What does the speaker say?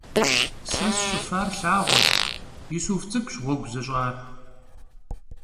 Se sş'ıfar lhağueş, Yisuf ts'ık'uş ğuegu zış'ar.